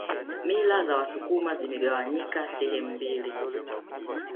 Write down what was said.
Mila za wasukuma zimegawanyika sehemu mbili